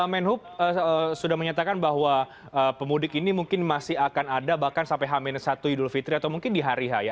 menhub sudah menyatakan bahwa pemudik ini mungkin masih akan ada bahkan sampai h satu idul fitri atau mungkin di hari haya